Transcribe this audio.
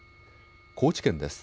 高知県です。